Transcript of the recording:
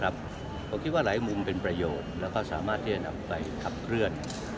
ผมคิดว่าหลายมุมเป็นประโยชน์แล้วก็สามารถที่จะนำไปขับเคลื่อน